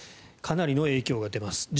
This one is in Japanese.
かなりの影響が出ます。